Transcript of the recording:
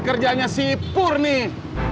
kerjaannya si pur nih